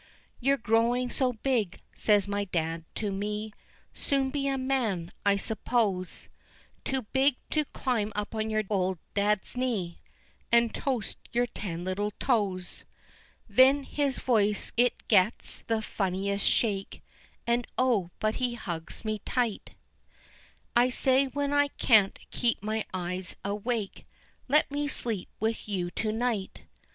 "You're growing so big" says my dad to me, "Soon be a man, I suppose, Too big to climb up on your old dad's knee And toast your ten little toes." Then his voice it gets the funniest shake, And oh, but he hugs me tight! I say, when I can't keep my eyes awake, "Let me sleep with you to night."